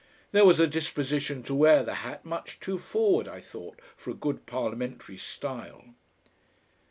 There was a disposition to wear the hat much too forward, I thought, for a good Parliamentary style.